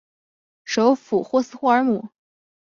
首府霍斯霍尔姆。